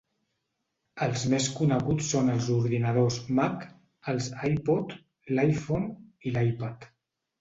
Els més coneguts són els ordinadors Mac, els iPod, l'iPhone i l'iPad.